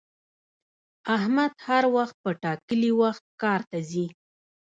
احمد هر وخت په ټاکلي وخت کار ته ځي